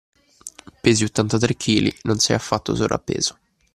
Pesi ottantatre chili, non sei affatto sovrappeso.